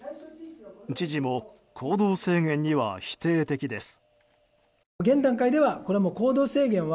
知事も行動制限には否定的です。